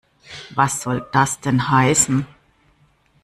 Was soll das denn heißen?